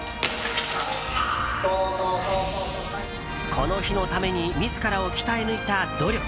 この日のために自らを鍛え抜いた努力。